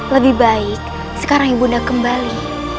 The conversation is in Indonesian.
lebih baik sekarang ibu nda kembali